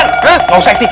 nggak usah hati